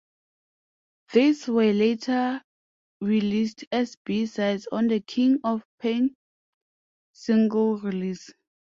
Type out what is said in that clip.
These were later released as B-sides on the "King of Pain" single release.